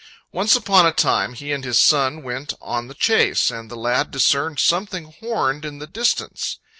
Once upon a time he and his son went on the chase, and the lad discerned something horned in the distance.